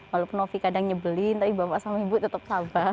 walaupun novi kadang nyebelin tapi bapak sama ibu tetap sabar